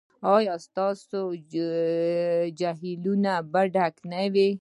ایا ستاسو جهیلونه به ډک نه وي؟